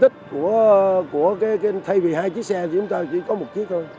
vì hai tầng thì nó giảm được cái diện tích thay vì hai chiếc xe thì chúng ta chỉ có một chiếc thôi